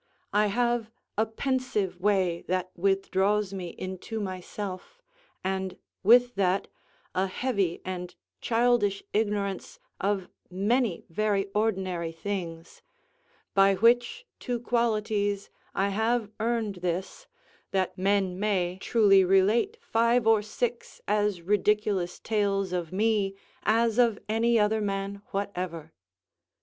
I have a pensive way that withdraws me into myself, and, with that, a heavy and childish ignorance of many very ordinary things, by which two qualities I have earned this, that men may truly relate five or six as ridiculous tales of me as of any other man whatever.